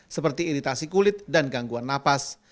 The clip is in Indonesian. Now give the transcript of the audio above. seperti iritasi kulit dan gangguan napas